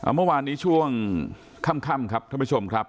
เมื่อวานนี้ช่วงค่ำครับท่านผู้ชมครับ